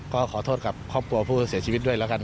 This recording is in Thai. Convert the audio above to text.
ก็ขอโทษกับครอบครัวผู้เสียชีวิตด้วยแล้วกัน